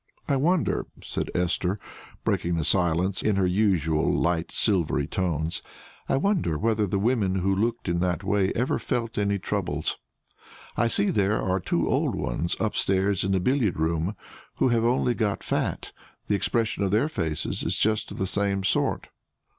"I wonder," said Esther, breaking the silence in her usual light silvery tones "I wonder whether the women who looked in that way ever felt any troubles. I see there are two old ones up stairs in the billiard room who have only got fat; the expression of their faces is just of the same sort."